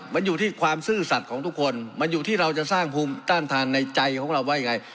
มันอยู่ที่ความซื่อสัตว์ของทุกคนมันอยู่ที่เราจะสร้างภูมิต้านทานในใจของเราว่ายังไง